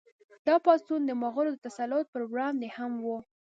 دا پاڅون د مغولو د تسلط پر وړاندې هم و.